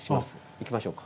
行きましょうか。